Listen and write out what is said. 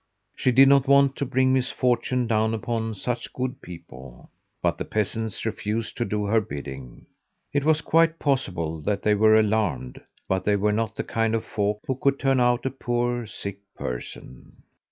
She did not want to bring misfortune down upon such good people. But the peasants refused to do her bidding. It was quite possible that they were alarmed, but they were not the kind of folk who could turn out a poor, sick person.